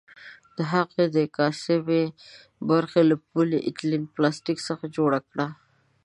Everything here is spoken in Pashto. د هغه د کاسې برخه له پولي ایتلین پلاستیک څخه جوړه کړه.